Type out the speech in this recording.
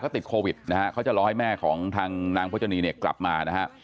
เขาติดโควิดนะฮะเขาจะรอให้แม่ของทางนางพจนีเนี่ยกลับมานะฮะ